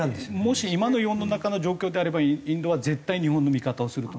もし今の世の中の状況であればインドは絶対日本の味方をすると思います。